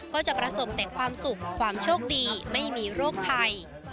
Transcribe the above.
ก็จะประสบแต่ความสุขความโชคดีไม่มีโรคภัย